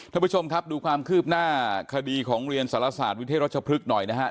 ท่านผู้ชมครับดูความคืบหน้าคดีของเรียนสารศาสตร์วิเทศรัชพฤกษ์หน่อยนะฮะ